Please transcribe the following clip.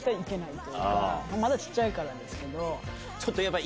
まだ小っちゃいからですけど。